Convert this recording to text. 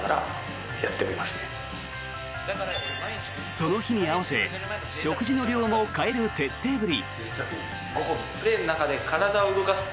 その日に合わせ食事の量も変える徹底ぶり。